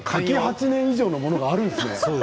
柿８年以上のものがあるんですね。